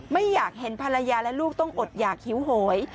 ไม่อยากเห็นภรรยาและลูกต้องอดหยากหิวโหย